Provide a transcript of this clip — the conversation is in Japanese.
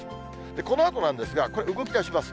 このあとなんですが、これ、動きだします。